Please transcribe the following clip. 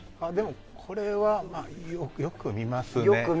これはよく見ますね。